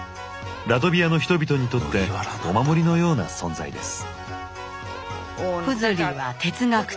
ラトビアの人々にとってお守りのような存在です。